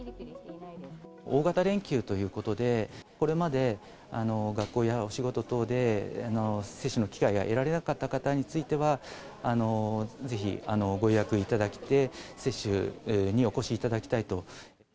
大型連休ということで、これまで学校やお仕事等で、接種の機会が得られなかった方については、ぜひご予約いただいて、接種にお越しいただきたいと。